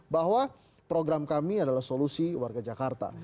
bahwa program kami adalah solusi warga jakarta